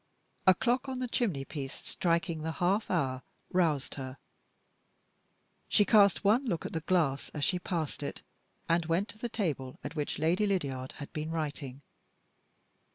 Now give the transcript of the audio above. A clock on the chimney piece striking the half hour roused her. She cast one look at the glass, as she passed it, and went to the table at which Lady Lydiard had been writing.